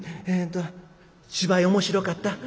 えっと芝居面白かった？